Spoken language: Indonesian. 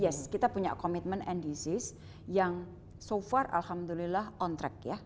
yes kita punya komitmen ndc yang so far alhamdulillah on track ya